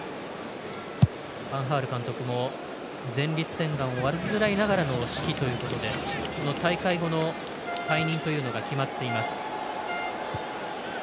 ファン・ハール監督も前立腺がんを患いながらの指揮ということで大会後の退任というのが決まっています。